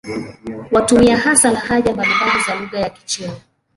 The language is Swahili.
Wanatumia hasa lahaja mbalimbali za lugha ya Kichina.